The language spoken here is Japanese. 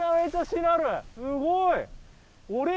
すごい！